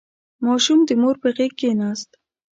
• ماشوم د مور په غېږ کښېناست.